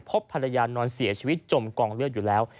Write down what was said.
พบภรรยานอนเสียชีวิตจมกองเลือดอยู่แล้ว